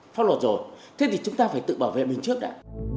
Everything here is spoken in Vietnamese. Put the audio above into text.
được rồi rồi thế thì chúng ta phải tự bảo vệ mình trước đã